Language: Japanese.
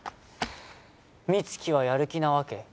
美月はやる気なわけ？